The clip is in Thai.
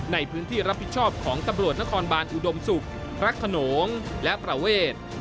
ในพื้นที่รับผิดชอบของตำรวจนครบานอุดมศุกร์พระขนงและประเวท